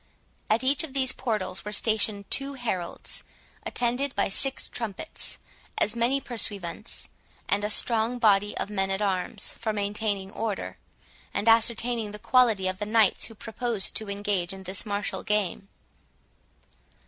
At each of these portals were stationed two heralds, attended by six trumpets, as many pursuivants, and a strong body of men at arms for maintaining order, and ascertaining the quality of the knights who proposed to engage in this martial game.